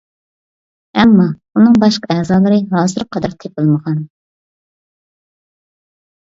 ئەمما، ئۇنىڭ باشقا ئەزالىرى ھازىرغا قەدەر تېپىلمىغان.